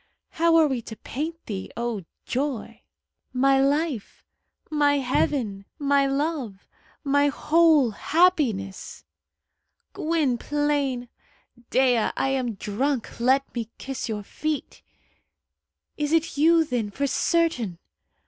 How are we to paint thee, O joy! "My life!" "My heaven!" "My love!" "My whole happiness!" "Gwynplaine!" "Dea, I am drunk. Let me kiss your feet." "Is it you, then, for certain?"